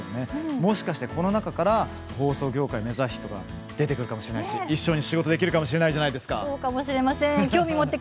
もしかして、この中から放送業界を目指す人出てくるかもしれないし一緒に仕事できるかもしれませんじゃないですか。